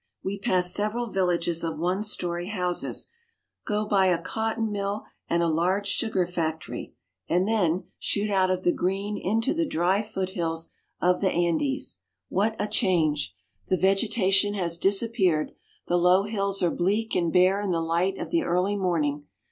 We pass several villages of one story houses, go by a cotton mill and a large sugar factory, and then shoot out 6^ PERU. of the green into the dry foothills of the Andes. What a change ! The vegetation has disappeared. The low hills are bleak and bare in the light of the early morning.